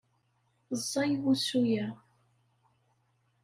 Ẓẓay wusu-a.